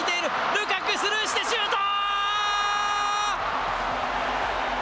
ルカク、スルーして、シュート。